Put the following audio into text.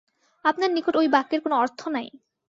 আপানার নিকট ঐ বাক্যের কোন অর্থ নাই।